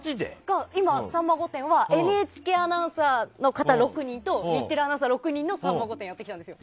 「さんま御殿！！」はＮＨＫアナウンサーの方６人と日テレアナウンサー６人の「さんま御殿！！」をやってきたんですよ。